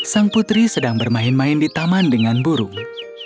sang putri sedang bermain main di taman dengan burung